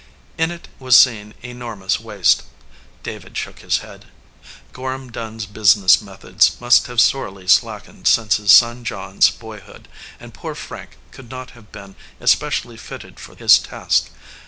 In it was seen enormous waste. David shook his head. Gorham Dunn s business methods must have sorely slackened since his son John s boyhood, and poor Frank could not have been especially fitted for his task.